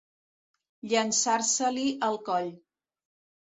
Llançar-se-li al coll.